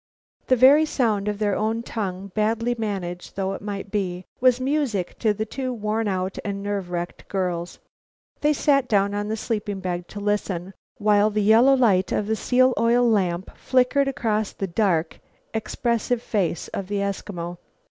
The very sound of their own tongue, badly managed though it might be, was music to the two worn out and nerve wrecked girls. They sat down on the sleeping bag to listen, while the yellow light of the seal oil lamp flickered across the dark, expressive face of the Eskimo.